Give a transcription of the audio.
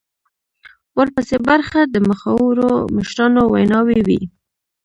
ورپسې برخه د مخورو مشرانو ویناوي وې.